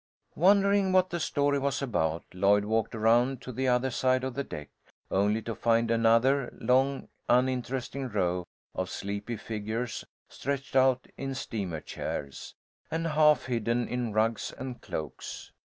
Wondering what the story was about, Lloyd walked around to the other side of the deck, only to find another long uninteresting row of sleepy figures stretched out in steamer chairs, and half hidden in rugs and cloaks.